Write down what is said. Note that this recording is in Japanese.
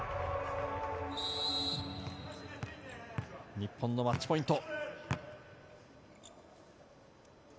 日本のマッチポイント。